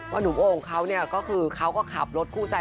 ว่านุมโอผมเข่าก็คือเขาก็ขับรถคู่ใจ